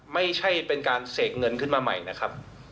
ไม่ใช่เป็นการเสกเงินขึ้นมาใหม่นะครับ